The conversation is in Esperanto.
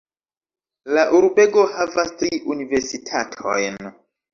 La urbego havas tri universitatojn.